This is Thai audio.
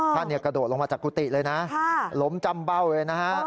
กระโดดลงมาจากกุฏิเลยนะล้มจำเบ้าเลยนะฮะ